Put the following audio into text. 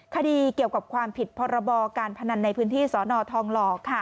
คดีเกี่ยวกับความผิดพรบการพนันในพื้นที่สนทองหล่อ